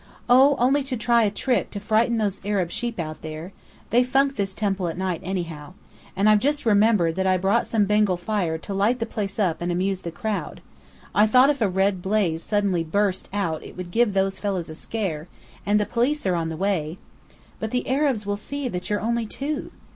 "Oh, only to try a trick to frighten those Arab sheep out there. They funk this temple at night anyhow. And I've just remembered that I brought some Bengal fire to light the place up and amuse the crowd. I thought if a red blaze suddenly burst out it would give those fellows a scare and the police are on the way " "But the Arabs will see that you're only two!"